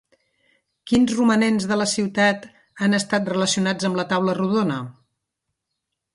Quins romanents de la ciutat han estat relacionats amb la taula rodona?